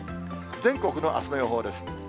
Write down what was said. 全国のあすの予報です。